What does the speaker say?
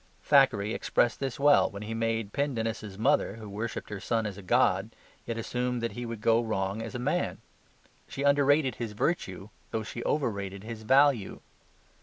Thackeray expressed this well when he made Pendennis' mother, who worshipped her son as a god, yet assume that he would go wrong as a man. She underrated his virtue, though she overrated his value.